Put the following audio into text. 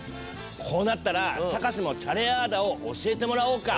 こうなったら隆もチャレアーダを教えてもらおうか。